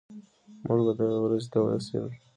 موږ به دغې ورځې ته ورسېږو.